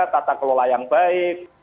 tata kelola yang baik